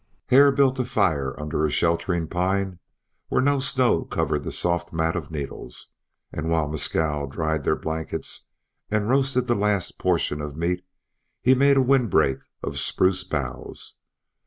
Hare built a fire under a sheltering pine where no snow covered the soft mat of needles, and while Mescal dried the blankets and roasted the last portion of meat he made a wind break of spruce boughs.